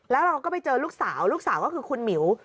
แล้วเราก็ไปเจอลูกสาวลูกสาวก็คือคุณหมิว